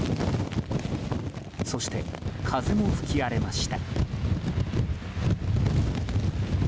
そして、風も吹き荒れました。